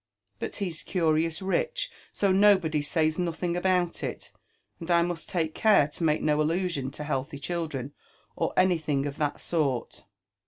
But he's curious rich, so nobody says nothing about it; and I must take care to make no allusion to healthy childreo, or any thing of that sort."